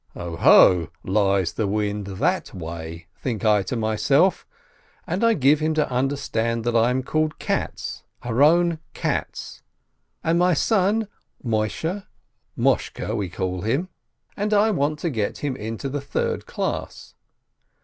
"Oho, lies the wind that way ?" think I to myself, and I give him to understand that I am called Katz, Aaron Katz, and my son, Moisheh, Moshke we call him, and I GYMNASIYE 171 want to get him into the third class.